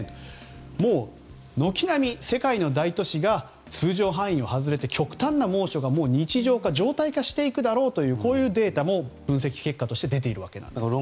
軒並み世界の大都市が通常範囲を外れて極端な猛暑が日常化・常態化していくだろうとこういうデータも分析結果として出ているわけなんですね。